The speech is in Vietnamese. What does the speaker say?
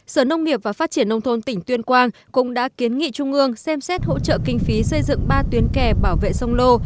sở nông nghiệp và phát triển nông thôn tỉnh tuyên quang cũng đã kiến nghị trung ương xem xét hỗ trợ kinh phí xây dựng ba tuyến kè bảo vệ sông lô